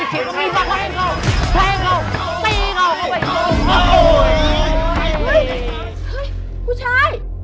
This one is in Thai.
เฮ่ยผู้ชาย